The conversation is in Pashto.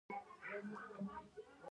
هغه د کارپوه په توګه دنده ترسره کوي.